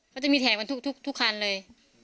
เขาจะมีแทงกันทุกคันเลย